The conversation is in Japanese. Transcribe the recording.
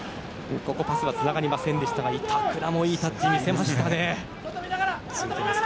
パスはつながりませんでしたが板倉もいいタッチを見せました。